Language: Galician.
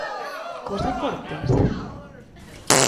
Cos recortes?